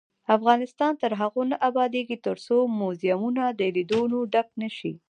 افغانستان تر هغو نه ابادیږي، ترڅو موزیمونه د لیدونکو ډک نشي.